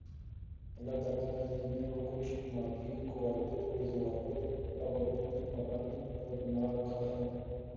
اللہ تعالیٰ نے اس دنیا کو کچھ مادی قواعد و ضوابط کا پابند بنا رکھا ہے